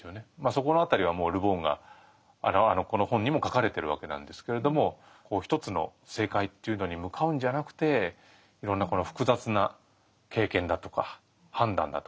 そこの辺りはもうル・ボンがこの本にも書かれてるわけなんですけれども一つの正解というのに向かうんじゃなくていろんなこの複雑な経験だとか判断だとか。